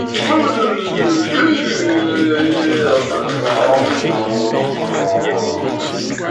It is notable in that the streets running through it have three levels.